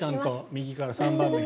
右から３番目。